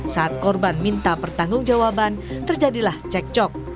saat korban minta pertanggung jawaban terjadilah cekcok